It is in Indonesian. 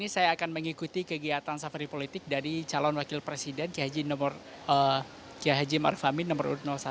salam sejahtera saya calon wakil presiden kihaji ma'ruf amin nomor satu